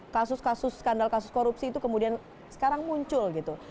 kasus kasus skandal kasus korupsi itu kemudian sekarang muncul gitu